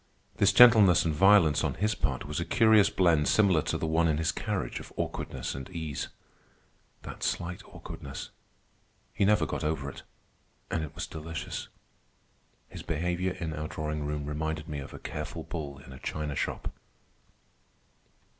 This gentleness and violence on his part was a curious blend similar to the one in his carriage of awkwardness and ease. That slight awkwardness! He never got over it, and it was delicious. His behavior in our drawing room reminded me of a careful bull in a china shop.